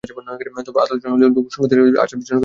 তবে আত্মদর্শন হলেও লোকসংস্থিতির জন্য আচার কিছু কিছু মানা ভাল।